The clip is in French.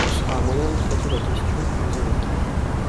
Ce sera un moyen de traiter la question que vous évoquez.